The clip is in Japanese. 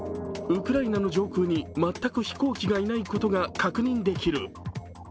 ウクライナの上空に全く飛行機がいないことが確認できる。